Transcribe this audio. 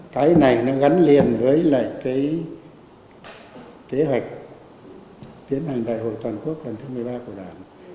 cái này nó gắn liền với lại cái kế hoạch tiến hành đại hội toàn quốc lần thứ một mươi ba của đảng